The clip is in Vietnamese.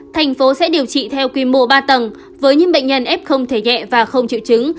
thành phố sẽ điều trị theo quy mô ba tầng với những bệnh nhân ép không thể nhẹ và không triệu chứng